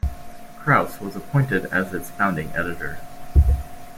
Krauss was appointed as its founding editor.